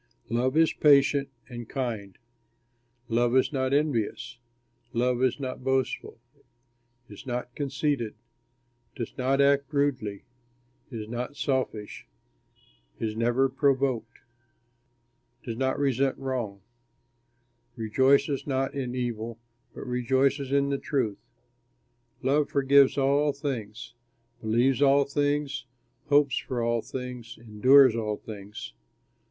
Love is patient and kind; love is not envious; love is not boastful, is not conceited, does not act rudely, is not selfish, is never provoked, does not resent wrong; rejoices not in evil, but rejoices in the truth. Love forgives all things, believes all things, hopes for all things, endures all things.